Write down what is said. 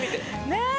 ねえ。